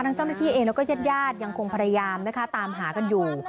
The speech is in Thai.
เจ้าหน้าที่เองแล้วก็ญาติญาติยังคงพยายามนะคะตามหากันอยู่